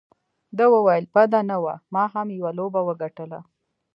ده وویل: بده نه وه، ما هم یوه لوبه وګټله.